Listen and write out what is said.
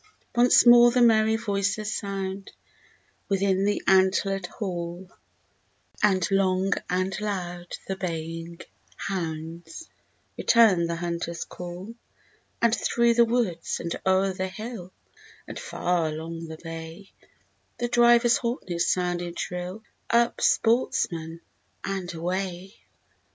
Once more the merry voices sound Within the antlered hall, And long and loud the baying hounds Return the hunter's call; And through the woods, and o'er the hill, And far along the bay, The driver's horn is sounding shrill, Up, sportsmen, and away!